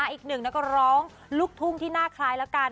อีกหนึ่งนักร้องลูกทุ่งที่น่าคล้ายแล้วกัน